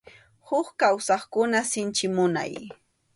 Huk kawsaqkuna sinchi munay.